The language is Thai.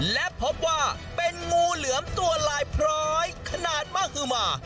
และพบว่าเป็นงูเหลือมตัวลายพร้อยขนาดมหือมา